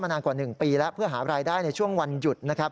มาหลังกว่า๑ปีแล้วเพื่อหารายได้ในช่วงวันหยุด